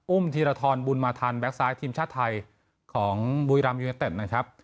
อุ้มธีรธรรมบุญมาธรรมแบ็คซ้ายทีมชาติไทยของบุรีรัมย์ยูเน็ตเต็ปนะครับ